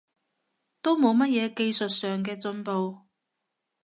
都冇乜嘢技術上嘅進步